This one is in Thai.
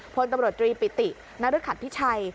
พลตำรวจตรีปิตินรึขัดพิชัย